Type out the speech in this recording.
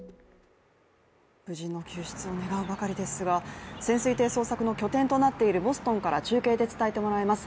無事の救出を願うばかりですが、潜水艇捜索の拠点となっているボストンから中継で伝えてもらいます。